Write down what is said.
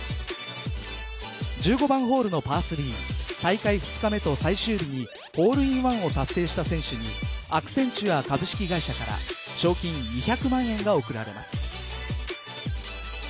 １５番ホールのパー３大会２日目と最終日にホールインワンを達成した選手にアクセンチュア株式会社から賞金２００万円が贈られます。